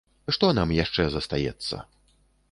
Што нам яшчэ застаецца?